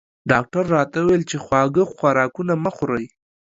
ډاکټر راته وویل چې خواږه خوراکونه مه خورئ